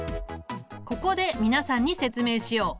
ここで皆さんに説明しよう。